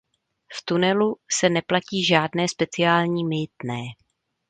V tunelu se neplatí žádné speciální mýtné.